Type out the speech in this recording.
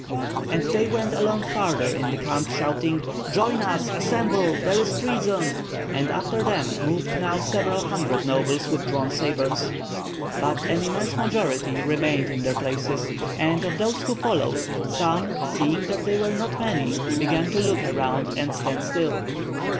And they went along farther in the camp, shouting: "Join us! Assemble! There is treason!" and after them moved now several hundred nobles with drawn sabres. But an immense majority remained in their places; and of those who followed some, seeing that they were not many, began to look around and stand still.